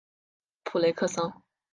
普雷克桑。